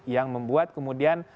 yang membuat kemudian